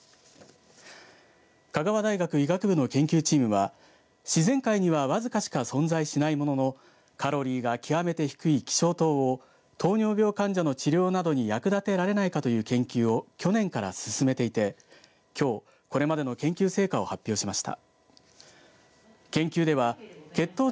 香川大学医学部の研究チームは自然界にはわずかしか存在しないもののカロリーが極めて低い希少糖を糖尿病患者の治療などに役立てられないかという研究を去年から始めていてきょうこれまでの研究成果を発表しました。